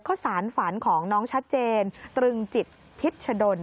สารฝันของน้องชัดเจนตรึงจิตพิษดล